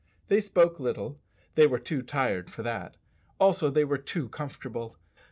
They spoke little; they were too tired for that, also they were too comfortable.